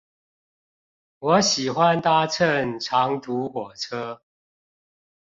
我喜歡搭乘長途火車